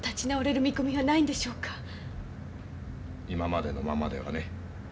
今までのままではね。